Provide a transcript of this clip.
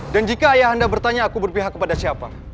dan jika ayah anda bertanya aku berpihak kepada siapa